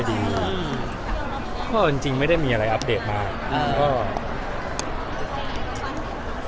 คืออาจไม่ได้มีอะไรอัพเดทบ้าง